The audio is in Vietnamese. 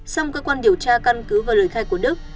xong cơ quan điều tra căn cứ và lời khai của đức